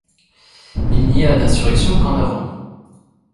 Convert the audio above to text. Il n’y a d’insurrection qu’en avant.